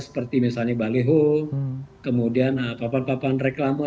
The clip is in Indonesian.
seperti misalnya baliho kemudian papan papan reklama